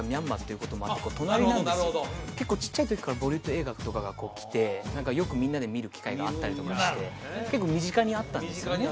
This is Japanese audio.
その好きに結構ちっちゃい時からボリウッド映画とかが来てよくみんなで見る機会があったりとかして結構身近にあったんですよね